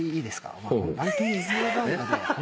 お前」